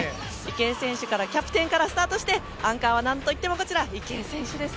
池江選手、キャプテンからスタートしてアンカーは、何といっても池江選手です。